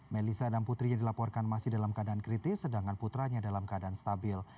melissa dan putrinya dilaporkan masih dalam keadaan kritis sedangkan putranya dalam keadaan stabil